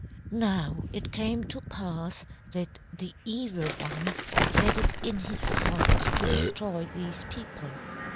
"Now, it came to pass that the Evil One had it in his heart to destroy these people.